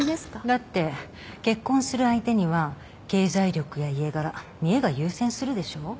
だって結婚する相手には経済力や家柄見えが優先するでしょう？